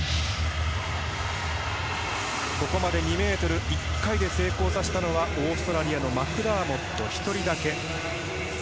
ここまで２ｍ１回で成功させたのはオーストラリアのマクダーモット１人だけ。